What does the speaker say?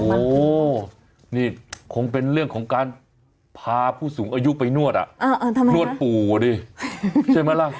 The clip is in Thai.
โอ้โหนี่คงเป็นเรื่องของการพาผู้สูงอายุไปนวดอ่ะนวดปู่ดิใช่ไหมล่ะ